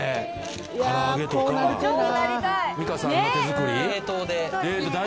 から揚げとか美夏さんの手づくり？